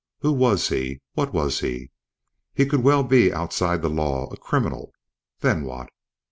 Who was he? What was he? He could well be outside the law, a criminal... Then what?